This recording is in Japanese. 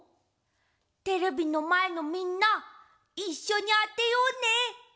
テレビのまえのみんないっしょにあてようね！